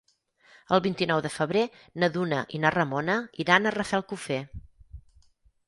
El vint-i-nou de febrer na Duna i na Ramona iran a Rafelcofer.